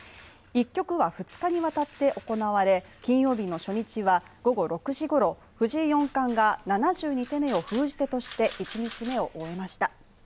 １局は二日にわたって行われ金曜日の初日は午後６時ごろ、藤井四冠が７２手目を封じ手として１日目を終えました。